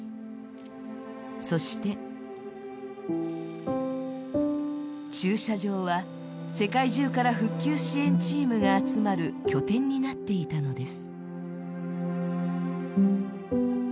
そして、駐車場は世界中から復旧支援チームが集まる拠点になっていたのです。